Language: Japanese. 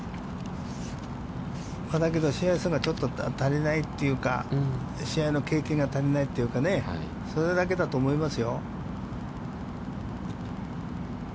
だけど、試合数がちょっと足りないというか、試合の経験が足りないというかね、それだけだと思いますよ。